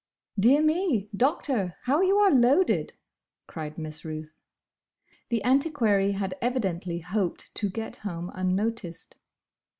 "Dear me, Doctor! How you are loaded!" cried Miss Ruth. The antiquary had evidently hoped to get home unnoticed.